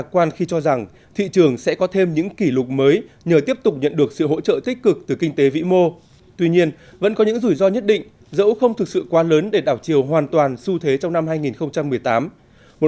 các định chế trung gian trên thị trường theo định hướng của chính phủ